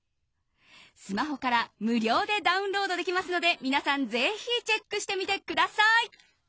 スマホから無料でダウンロードできますので皆さんぜひチェックしてみてください。